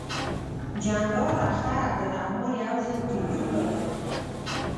جنرال اختر عبدالرحمن یو ځل تلیفون راته وکړ.